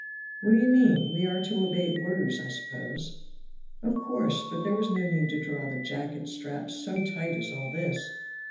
"What d'ye mean, we are to obey orders, I suppose?" "Of course, but there was no need to draw the jacket straps so tight as all this.